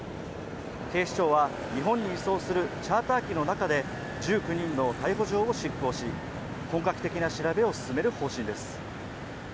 警視庁は日本に移送するチャーター機の中で１９人の逮捕状を執行し、本格的な調べを進める方針です。